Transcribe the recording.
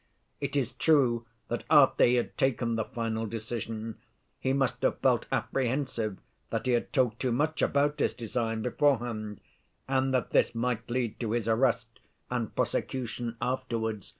It is true that after he had taken the final decision, he must have felt apprehensive that he had talked too much about his design beforehand, and that this might lead to his arrest and prosecution afterwards.